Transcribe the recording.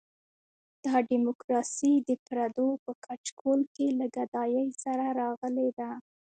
دا ډیموکراسي د پردو په کچکول کې له ګدایۍ سره راغلې ده.